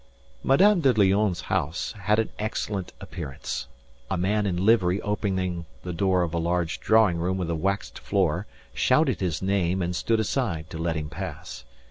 Madame de Lionne's house had an excellent appearance. A man in livery opening the door of a large drawing room with a waxed floor, shouted his name and stood aside to let him pass.